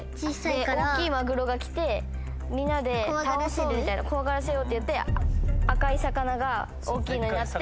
大きいマグロが来てみんなで倒そうって怖がらせようって言って赤い魚が大きいのになって。